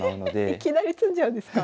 いきなり詰んじゃうんですか？